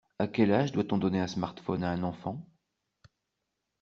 A quel âge doit-on donner un smartphone à un enfant?